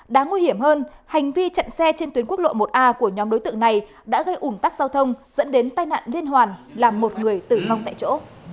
đáng nguy hiểm hơn hành vi chặn xe trên tuyến quốc lộ một a của nhóm đối tượng này đã gây ủn tắc giao thông dẫn đến tai nạn liên hoàn làm một người tử vong tại chỗ